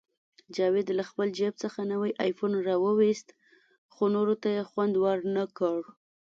جاوید له خپل جیب څخه نوی آیفون راوویست، خو نورو ته یې خوند ورنکړ